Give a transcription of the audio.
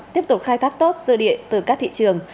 tiếp tục khai thác tốt dư địa từ các thị trường